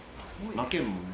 負けんもんね？